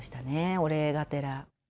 お礼がてら。